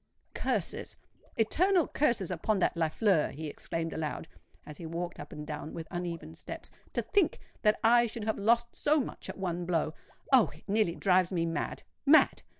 "Curses—eternal curses upon that Lafleur!" he exclaimed aloud, as he walked up and down with uneven steps. "To think that I should have lost so much at one blow! Oh! it nearly drives me mad—mad!